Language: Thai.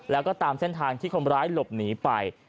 แล้วก็ตามเส้นทางที่คนร้ายหลบหนีไป